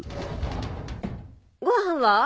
ごはんは？